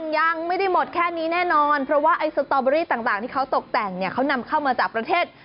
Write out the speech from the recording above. ยังไม่ได้หมดแค่นี้แน่นอนเพราะว่าไอ้สตอเบอรี่ต่างที่เขาตกแต่งเนี่ยเขานำเข้ามาจากประเทศ